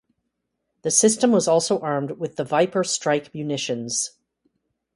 The system was also armed with the Viper Strike munitions.